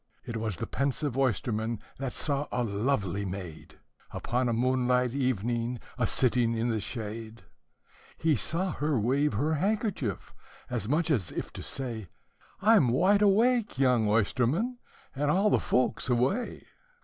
It was the pensive oysterman that saw a lovely maid, Upon a moonlight evening, a sitting in the shade; He saw her wave her handkerchief, as much as if to say, "I 'm wide awake, young oysterman, and all the folks away."